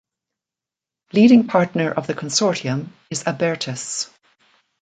Leading partner of the consortium is Abertis.